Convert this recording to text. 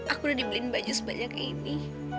aku udah dibeliin baju sebajik ini